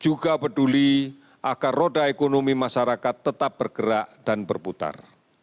juga peduli agar roda ekonomi masyarakat tetap bergerak dan berputar